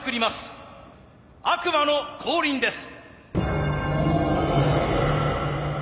悪魔の降臨です。